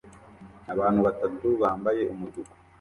Abantu batatu bambaye umutuku